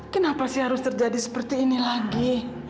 kenapa sih harus terjadi seperti ini lagi